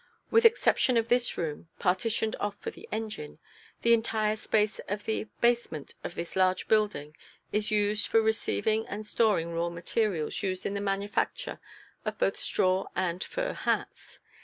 With exception of this room, partitioned off for the engine, the entire space of the basement of this large building is used for receiving and storing raw materials used in the manufacture of both straw and fur hats.